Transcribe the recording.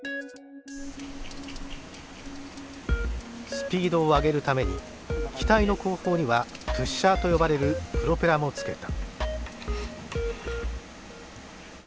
スピードを上げるために機体の後方にはプッシャーと呼ばれるプロペラもつけた。